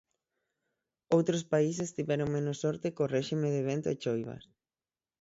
Outros países tiveron menos sorte co réxime de vento e choivas.